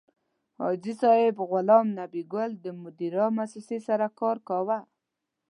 حاجي صیب غلام نبي ګل د مدیرا موسسې سره کار کاوه.